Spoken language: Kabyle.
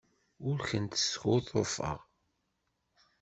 Ur kent-skuḍḍufeɣ.